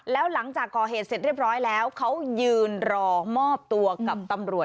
แล้วหลังจากก่อเหตุเสร็จเรียบร้อยแล้วเขายืนรอมอบตัวกับตำรวจ